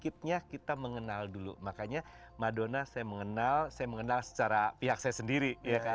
clipnya kita mengenal dulu makanya madonna saya mengenal secara pihak saya sendiri